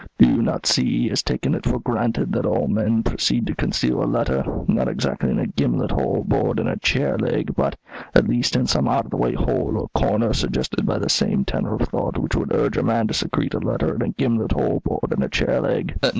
Do you not see he has taken it for granted that all men proceed to conceal a letter, not exactly in a gimlet hole bored in a chair leg, but, at least, in some out of the way hole or corner suggested by the same tenor of thought which would urge a man to secrete a letter in a gimlet hole bored in a chair leg?